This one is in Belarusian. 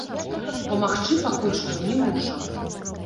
Памагчы пакуль што не можам.